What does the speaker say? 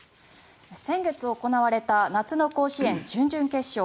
先月行われた夏の甲子園準々決勝